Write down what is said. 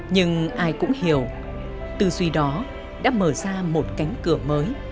nhưng ai cũng hiểu tư duy đó đã mở ra một cánh cửa mới